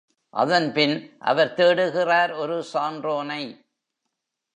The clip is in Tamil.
அதன்பின் அவர் தேடுகிறார் ஒரு சான்றோனை.